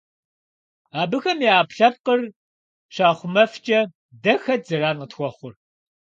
Абыхэм я Ӏэпкълъэпкъыр щахъумэфкӀэ, дэ хэт зэран къытхуэхъур?